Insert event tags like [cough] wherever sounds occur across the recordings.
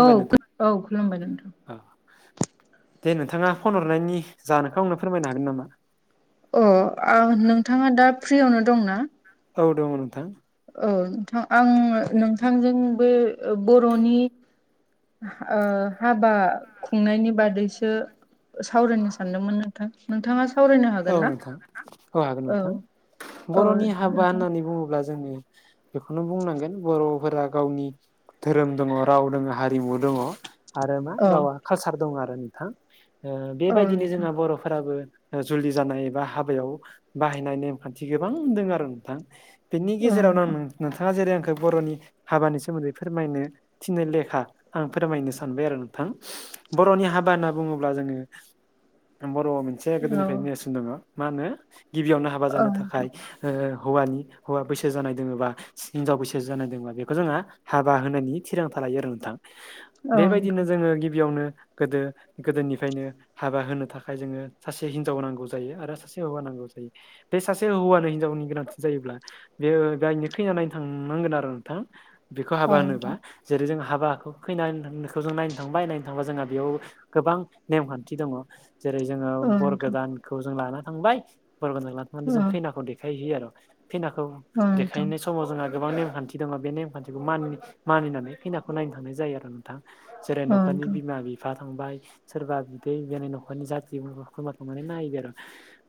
औ औ खुलुमबाय नोंथां दे नोंथाङा फन हरनायनि जाहोनखौ आंनो फोरमायनो हागोन नामा अह आ नोंथाङा दा फ्रियावनो दंना औ दङ नोंथां औ नोंथां आं नोंथांजों बे बर'नि ओ हाबा खुंनायनि बादैसो सावरायनो सानदोंमोन नोंथां नोंथाङा सावरायनो औ हागोन ना? नोंथां औ हागोन नोंथां औ बर'नि हाबा नोंथां होननानै बुङोब्ला जोंनि बेखौनो बुंनांगोन बर'फोरा गावनि धोरोम दङ राव दङ हारिमु दङ आरो मा औ गावा कालसार दं आरो नोंथां औ बेबायदिनो नोंथां जोंहा बर'फोराबो जुलि जानाय एबा हाबायाव बाहायनाय नेमखान्थि गोबां दङ आरो नोंथां बेनि औ गेजेरावनो आं नोंथां नोंथाङा जेरै आंखौ बर'नि हाबानि सोमोन्दै फोरमायनो थिननो लेखा आं फोरमायनो सानबाय आरो नोंथां बर'नि हाबा होनना बुङोब्ला जोङो बर' ससेया औ गोदोनिफ्राय नेयासिनो दङ मा होनो गिबियावनो हाबा औ जानो नोंथां थाखाय ओ हौवानि हौवा बैसो जानाय दोङोबा हिनजाव बैसो जानाय दंबा बेखौ जोंहा हाबा होनायनि थिरांथा लायो आरो नोंथां औ नोंथां बेबायदिनो जोङो गिबियावनो गोदो गोदोनिफ्रायनो हाबा होनो थाखाय जोङो सासे हिन जाव नांगौ जायो आरो सासे हौवा नांगौ जायो बे सासे हौवा आरो हिनजावनि गोनांथि जायोब्ला बे ओ [unintelligible] खैना नायनो थांनांगोन आरो नोंथां बेखौ औ हाबा होनोबा नोंथां जेरै जों हाबाखौ खैना खौ जों नायनो थांबाय नायनो थांबा जोंहा बेयाव गोबां नेमखान्थि दङ जेरै जोङो औ बर नोंथां खौ जों लाना थांबाय बर गोनखौ लाना थांना जों खैनाखौ देखायहैयो आरो खैनाखौ औ नोंथां देखायनो समाव जोंहा गोबां नेमखान्थि दङ बे नेमखान्थिखौ मानि मानिनानै खैनाखौ नायनो थांनाय जायो आरो नोंथां जेरै औ नोंथां औ न'खरनि बिमा बिफा थांबाय सोरबा बिबथै बेनि न'खरनि जाथि खुरमा थारमाने नायैबाय आरो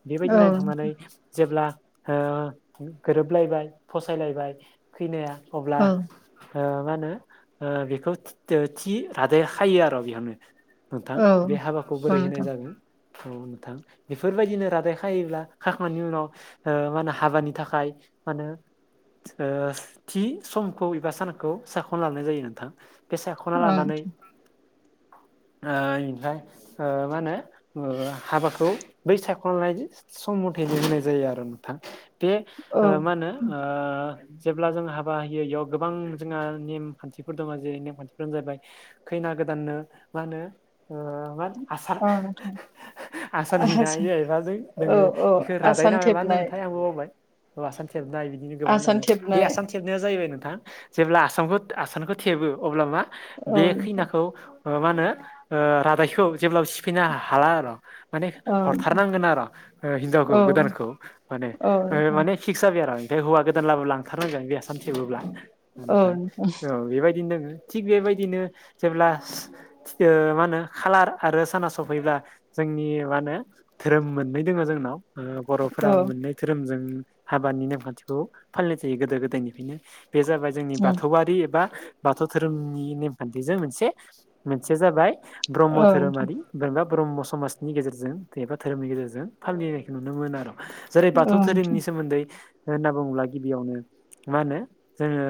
बेबायदि नायनो नोंथां थांनानै जेब्ला ओ गोरोबलायबाय फसायलायबाय खैनाया अब्ला औ ओ मा होनो ओ बेखौ थि थि रादाय खायो आरो बेयावनो नोंथां औ बे हाबाखौ औ बोरै होनाय नोंथां जागोन औ थां बेफोरबायदिनो रादाय खायोब्ला खाखांनायनि उनाव ओ मा होनो हाबानि थाखाय मा होनो ओ थि समखौ एबा सानखौ साख'नो लानाय जायो नोंथां बेसायख'ना लानानै ओ इनिफ्राय ओ मा होनो हाबाखौ बै सायख'नाय सम मथेनो होनाय जायो आरो नोंथां बे औ ओ मा होनो ओ जेब्ला जों हाबा होयो इयाव गोबां जोंहा नेम खान्थिफोर दङ जेरै नेम खान्थिफोरानो जाहैबाय खैना गोदाननो मा होनो ओ मा आसान औ नोंथां आसान हैना होयो एबा औ नोङो औ बेखौ रादाय आसान थेबनाय [unintelligible] बावबाय आसाम थेबनाय बिदिनो गोबां आसान दोङो बे थेबनाय आसान थे थेबनाया जाहैबाय नोंथां जेब्ला आसामखौ आसानखौ थेबो अब्ला मा औ बे नोंथां खैनाखौ ओ मा होनो ओ रादायखौ जेब्लाबो सिफायनो हाला आरो माने औ नोंथां हरथारनांगोन आर हिनजावखौ औ गोदानखौ माने ओ माने फिक्स जाबाय आरो ओमफ्राय हौ गोदान लाबो लांथारनांगोन बे आसान थेबोब्ला नोंथां औ बेबायदिनो दोङो थिग बेबायदिनो जेब्ला ओ मा होनो खालार आरो साना सफैब्ला जोंनि मा होनो धोरोम मोननै दोङो जोंनाव ओ बर'फोरा औ नोंथां औ मोननै धोरोमजों हाबानि नेमखान्थिखौ फालिनाय जायो गोदो गोदायनिफ्रायनो बे जाबाय जोंनि उम बाथौआरि एबा बाथौ धोरोमनि नेमखान्थिजों मोनसे मोनसेया जाबाय ब्रह्म औ नोंथां धोरोमारि बा ब्रह्म समाजनि गेजेरजों एबा धोरोमनि गेजेरजों फालिनायखौ नुनो मोनो आरो। जेरै बाथौ धोरोमनि औ सोमोन्दै होनना बुङोब्ला गिबियावनो मा होनो जोङो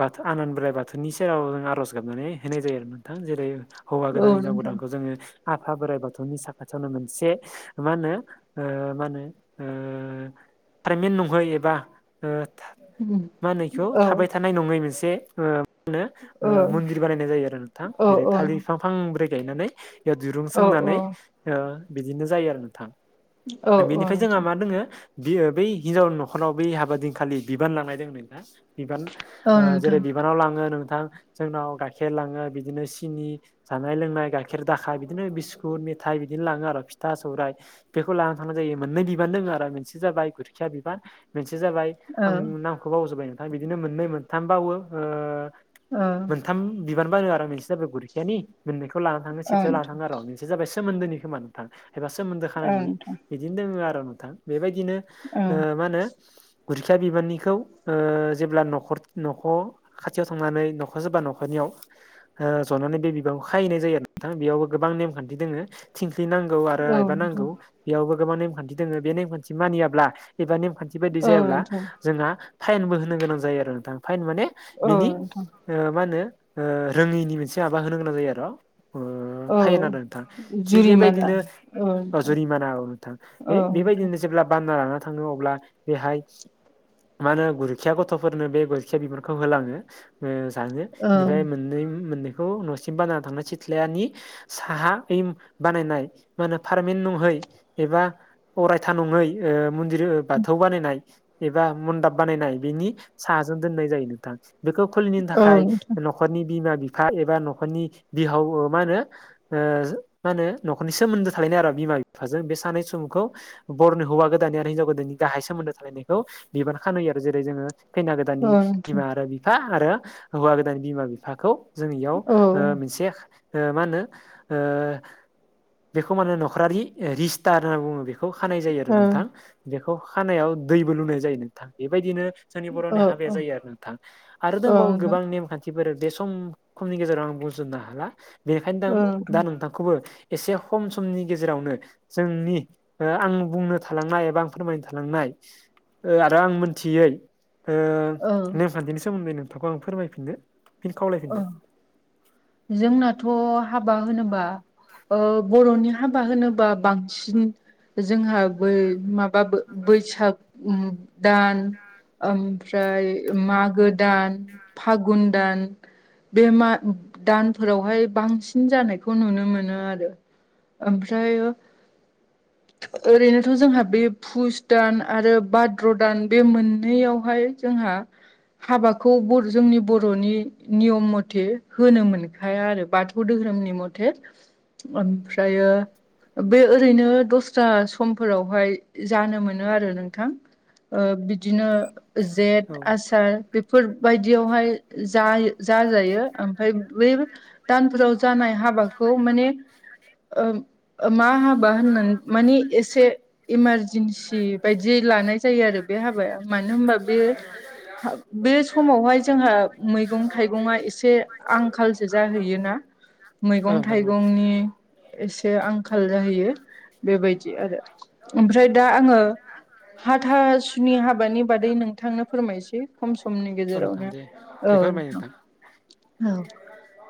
बाथौ आनान बोराय बाथौनि सेराव आर'ज गाबनानै होनाय जायो नोंथां जेरै हौवा नोंथां गोदान औ हिनजाव नोंथां गोदानखौ जोङो आफा बोराइ बाथौ बाथौनि साखाथियावनो मोनसे मा होनो ओ मा होनो ओ पारमिन्ट नंहै एबा ओ उम मा होनो इखौ औ थाबाय था नाय नङै मोनसे ओ माहोनो ओ औ मन्दिर बानायनाय जायो आरो नोंथां औ जेरै थालिर बिफां फांब्रै गायनानै बेयाव दिरुं औ सोंनानै ओ बिदिनो जायो आरो नोंथां औ औ बेनिफ्राय जोंहा नोंथां मा दोङो बियो बै हिनजावनि न'खराव बै हाबा दिनखालि बिबान लांनाय दों ना बिबान औ ओ जेरै नोंथां बिबानाव लाङो नोंथां जोंनाव गाइखेर लाङो बिदिनो सिनि जानाय लोंनाय गाइखेर दाखा बिदिनो बिस्कुट मेथाइ बिदिनो लाङो आरो फिथा सौराइ बेखौ लाना थांनाय जायो मोननै बिबान दोङो आरो मोनसे जाबाय गुरखिया बिबान मोनसे जाबाय औ आं नामखौ बावजोबबाय नोंथां बिदिनो मोननै मोनथाम बावो ओ ओ। मोनथाम बिबान बारो आरो मोनसे जाबाय गुरखियानि मोननैखौ लानानै थाङो सिथ्लायाव लाना थाङो औ आरो मोनसे जाबाय सोमोन्दोनि खोमा नोंथां एबा नोंथां सोमोन्दो खानायनि बिदिनो दङ आरो नोंथां बेबायदिनो औ नोंथां ओ औ मा होनो गुरखिया बिबारनिखौ ओ जेब्ला न'खर न'खो खाथियाव थांनानै न'खरजों बा न'खरनियाव ओ जनानै बे बिबांखौ खाहैनाय जायो आरो नोंथां बेयावबो गोबां नेमखान्थि दोङो। थिंख्लि नांगौ आरो औ नोंथां आइबा नांगौ। बेयावबो गोबां नेमखान्थि दोङो बे नेमखान्थि मानियाब्ला एबा नेमखान्थि बायदि जायाब्ला औ जोंहा फाइनबो होनो गोनां जायो आरो नोंथां फाइन माने नोंथां औ बिनि नोंथां ओ मा होनो ओ रोङैनि मोनसे माबा होनो गोनां जायो आर' ओ औ फाइन आरो नोंथां। थिग जुरिमाना बेबायदिनो औ नोंथां जुरिमाना औ नोंथां बे औ नोंथां बेबायदिनो जेब्ला बानना लाना थाङो अब्ला बेहाय मा होनो गुरखिया गथ'फोरनो बे गुरखिया बिबानखौ होलाङो ओ जानो औ इनिफ्राय मोननै मोननै खौ न'सिम बानना थांना सिथ्लानि साहा बै बानायनाय मा होनो पारमेन नङै एबा अरायथा नङै ओ मनदिर बाथौ बानायनाय एबा मनदाब बानायनाय बेनि साहाजों दोननाय जायो नोंथां बेखौ खुलिनो औ थाखाय नोंथां न'खरनि बिमा बिफा एबा न'खरनि बिहाव ओ मा होनो ओ मा होनो न'खरनि सोमोन्दो थालायनाय आरो बिमा बिफाजों बे सानै सुबुंखौ बर'नि हौवा गोदान आरो हिनजाव गोदाननि गाहाय सोमोन्दो थालायनायखौ बिबान खानो होयो आरो जेरै जोङो खैना औ गोदाननि नोंथां बिमा आरो बिफा आरो हौवा गोदान बिमा बिफाखौ जों इयाव औ ओ मोनसे ओ मा होनो ओ बेखौ माने न'खरारि रिस्टार होनना बुङो बेखौ खानाय जायो आरो औ नोंथां। बेखौ खानायाव दैबो लुनाय जायो नोंथां बेबायदिनो जोंनि बर'नि औ हाबाया जायो आरो नोंथां आरो औ औ दंबावो नोंथां गोबां नेमखान्थि बे सम खमनि गेजेरावनो बुंजुबनो हाला बेखायनो दा दा नोंथां खौबो एसे खम समनि गेजेरावनो जोंनि आं बुंनो थालांनाय एबा आं फोरमायनो थालांनाय आरो आं मोनथियै ओ औ नेमखान्थिनि सोमोन्दै नोंथांखौ आं फोरमायफिननो फिन औ खावलायफिनबाय। जोंनाथ' हाबा होनोबा ओ बर'नि हाबा होनोबा बांसिन जोंहा बै माबा बैसाग दान ओमफ्राय मागो दान फागुन दान बेमार दानफोरावहाय बांसिन जानायखौ नुनो मोनो आरो। ओमफ्राय ओरैनोथ' जोंहा बे फुस दान आरो भाद्र दान बे मोननैयावहाय जोंहा हाबाखौ जोंनि बर'नि नियम मथे होनो मोनखाया आरो बाथौ धोरोमनि मथे ओमफ्रायो बे ओरैनो दस्रा समफोरावहाय जानो मोनो आरो नोंथां ओ बिदिनो औ जेत आसार बेफोरबायदियावहाय जा जाजायो ओमफ्राय बेै दानफोराव जानाय हाबाखौ माने ओ मा हाबा होननानै मानि एसे इमारजेन्सि बायदि लानाय जायो आरो बे हाबाया मानो होनबा बे बे समावहाय जोंहा मैगं थाइगंआ एसे आंखालसो जाहैयोना औ मैगं नोंथां औ थाइगंनि एसे आंखाल जाहैयो बेबायदि आरो। ओमफ्राय दा आङो हाथासुनि हाबानि बादै नोंथांनो फोरमायसै खम समनि औ नोंथां गेजेरावनो। दे दे फोरमाय औ नोंथां नोंथां औ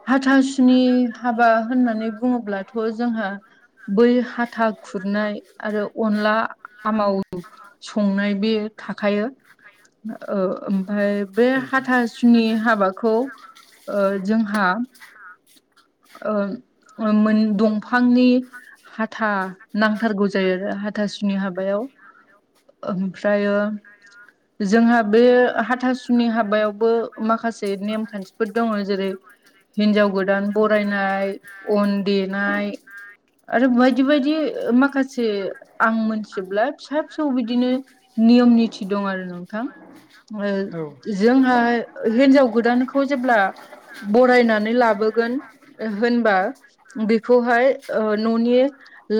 हाथासुनि हाबा होननानै बुङोब्लाथ' जोंहा बै हाथा खुरनाय आरो अनला आमाव संनाय बे थाखायो ओ ओमफफ्राय बे औ नोंथां हाथासुनि हाबाखौ ओ जोंहा ओ मोन दंफांनि हाथा नांथारगौ जायो आरो हाथ सुनि हाबायाव ओमफ्रायो जोंहा बे हाथासुनि हाबायावबो माखासे नेम खान्थिफोर दङ जेरै हिनजाव गोदान बरायनाय, अन देनाय आरो बायदि बायदि माखासे आं मोनथिजोबला फिसा फिसौ बिदिनो नियम निथि दं आरो नोंथां ओ औ जोंहा हिन्जाव गोदानखौ जेब्ला बरायनानै लाबो गोन होनबा बेखौहाय न'नि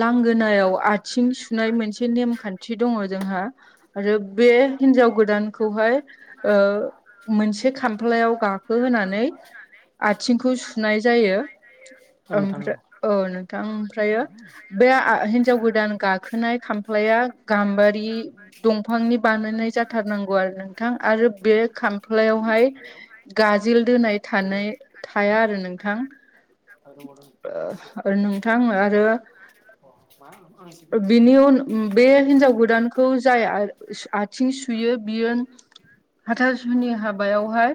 लांगोनायाव आथिं सुनाय मोनसे नेमखान्थि दङ जोंहा। आरो बे हिन्जाव गोदानखौहाय ओ मोनसे खाम फ्लायाव गाखो होनोनानै आथिंखौ सुनाय जायो औ नोंथां औ ओमफ्राय औ नोंथां ओमफ्रायो बे हिन्जाव गोदान गाखोनाय खामफ्लाया गाम्बारि दंफांनि बानायनाय जाथारनांगौ आरो नोंथां आरो बे खामफ्लायावहाय गाजोल दोनाय थानाय थाया आरो नोंथां। नोंथां आरो [unintelligible] बिनि उन बे हिनजाव गोदानखौ जाय आथिं सुयो बियो हाथासुनि हाबायावहाय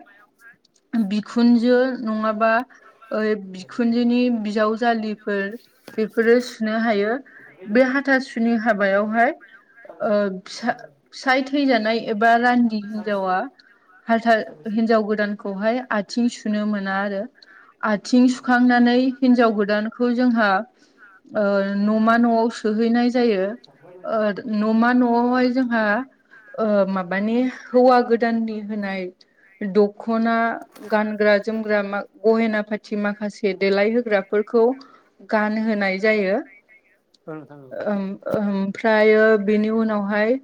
बिखुनजो नङाबा ओइ बिखुनजोनि बिजावजालिफोर बेफोरो सुनो हायो। बे हाथासुनि हाबायावहाय ओ फिसा फिसाय थैजानाय एबा रान्दि हिन्जावा हालथार हिनजाव गोदानखौहाय आथिं सुनो मोना आरो। आथिं सुखांनानै हिन्जाव गोदानखौ जोंहा ओ न'मा न'आव सोहैनाय जायो। ओ न'मा न'आवहाय जोंहा ओ माबानि हौवा गोदाननि होनाय दख'ना गानग्रा -जोमग्रा गहेना पाथि माखासे देलायहोग्राफोरखौ गान होनाय जायो। नोंथां औ ओम। ओमफ्रायो बेनि उनावहाय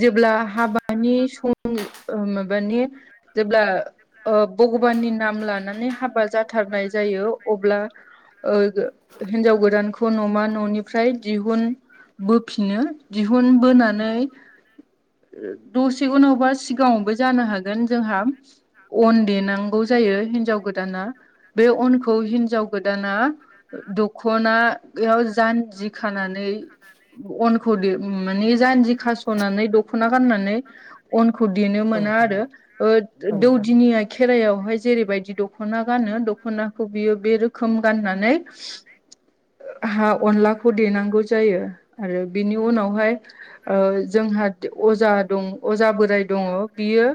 जेब्ला हाबानि सम माबानि जेब्ला भगबाननि नाम लानानै हाबा जाथारनाय जायो अब्ला ओ हिनजाव गोदानखौ न'मा न'निफ्राय दिहुन बोफिनो दिहुनबोनानै दसे उनावबा सिगाङावबो जानो हागोन जोंहा अन देनांगौ जायो हिन्जाव गोदाना बे अनखौ हिन्जाव गोदाना दखनायाव जान्जि खानानै अनखौ मानानि जानजि खास'नानै दख'ना गाननानै अनखौ देनो औ मोना नोंथां औ आरो ओ औ दौ नोंथां [unintelligible] खेराइायावहाय जेरैबायदि दख'ना गानो दख'नाखौ बियो बे रोखोम गाननानै हा अनलाखौ देनांगौ जायो। आरो बिनि ओ उनावहाय जोंहा अजा दं अजा बोराय दङ। बियो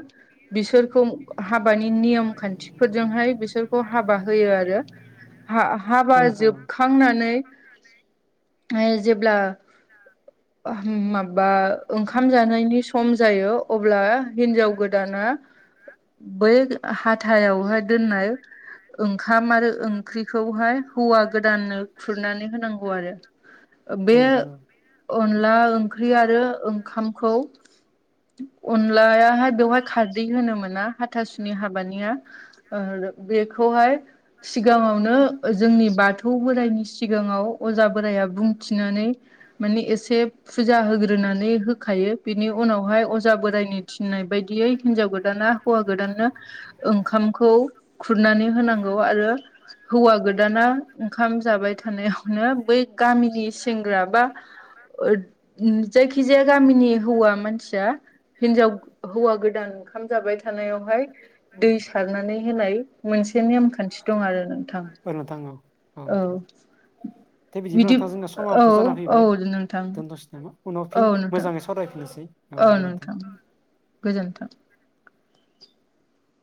बिसोरखौ हाबानि नियम खान्थिफोरजोंहाय बिसोरखौ हाबा होयो आरो। हा -हाबा औ नोंथां औ जोबखांनानै हाय जेब्ला [unintelligible] माबा ओंखाम जानायनि सम जायो अब्ला हिन्जाव गोदाना बै हाथायावहाय दोननाय ओंखाम आरो ओंख्रिखौहाय हौवा गोदाननो खुरनानै होनांगौ आरो औ बे नोंथां औ अनला ओंख्रि आरो ओंखामखौ अनलायाहाय बेवहाय खारदै होनो मोना। हाथासुनि हाबानिया ओ बेखौहाय सिगाङावनो जोंनि बाथौ बोरायनि सिगाङाव अजा बोराया बुंथिनानै माने एसे फुजा होग्रोनानै होखायो। बिनि उनावहाय अजा बोरायनि थिननाय बायदियै हिनजाव गोदाना हौवा गोदाननो ओंखामखौ खुरनानै होनांगौ आरो हौवा गोदाना ओंखाम जाबाय थानायावनो बै गामिनि सेंग्रा बा जायखिजाया गामिनि हौवा मानसिया हिनजाव हौवा गोदान ओंखाम जाबाय बेयावहाय दै सारनानै होनाय मोनसे नेमखान्थि दं आरो नोंथां। औ [unintelligible] दे बिदिब्ला बिदि नोंथां जोंना औ समाबोथ' जाना औ फैबाय नोंथां दोनथ'सै नामा? उनाव औ फिन नोंथां मोजाङै सावरायफिननोसै। औ नोंथां, गोजोनथों।